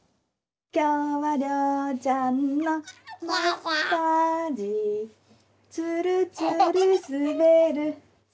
「きょうはりょうちゃんのマッサージ」「つるつるすべる」